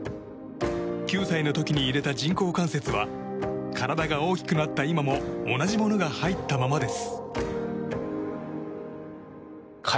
９歳の時に入れた人工関節は体が大きくなった今も同じものが入ったままです。